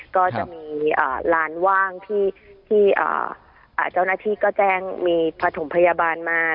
ก็จะมีลานว่างที่เจ้าหน้าที่ก็แจ้งมีประถมพยาบาลมา